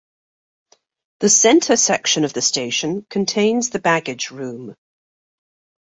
The center section of the station contains the baggage room.